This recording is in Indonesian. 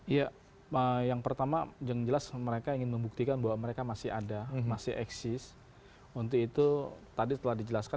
iya yang pertama yang jelas mereka ingin membuktikan bahwa mereka masih ada masih eksis